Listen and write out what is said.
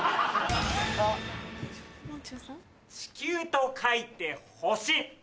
「地球」と書いて「ホシ」。